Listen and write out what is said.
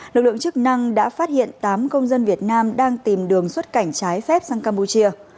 lực lượng chức năng đã phát hiện tám công dân việt nam đang tìm đường xuất cảnh trái phép sang campuchia